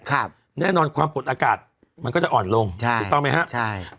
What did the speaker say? ครับแน่นอนความกดอากาศมันก็จะอ่อนลงใช่ถูกต้องไหมฮะใช่